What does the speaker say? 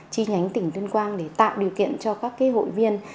chi nhánh tỉnh tuyên quang để tạo điều kiện cho các hội viên